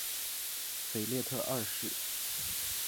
腓特烈二世。